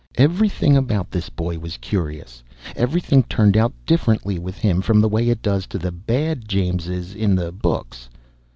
Everything about this boy was curious everything turned out differently with him from the way it does to the bad Jameses in the books.